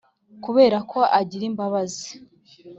Kubera ko agira imbabazi